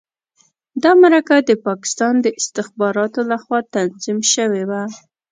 دا مرکه د پاکستان د استخباراتو لخوا تنظیم شوې وه.